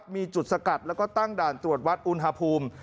มีจุดสกัดแล้วก็ตั้งด่านตรวจวัดอุณหภูมิ